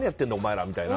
らみたいな。